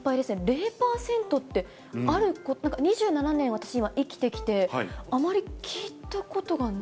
０％って２７年、私、今生きてきて、あまり聞いたことがない。